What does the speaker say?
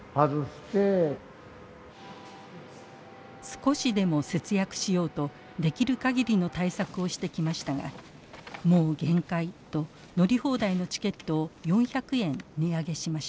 少しでも節約しようとできる限りの対策をしてきましたがもう限界と乗り放題のチケットを４００円値上げしました。